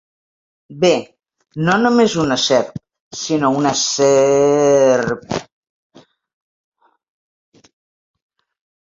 Bé, no només una serp, sinó una s-s-s-e-e-e-r-p.